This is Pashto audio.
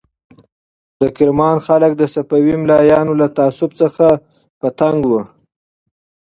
د کرمان خلک د صفوي ملایانو له تعصب څخه په تنګ وو.